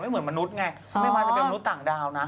เหมือนมนุษย์ไงไม่ว่าจะเป็นมนุษย์ต่างดาวนะ